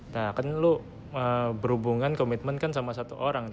nah kan lu berhubungan komitmen kan sama satu orang